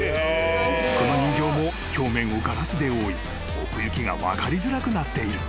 ［この人形も表面をガラスで覆い奥行きが分かりづらくなっている］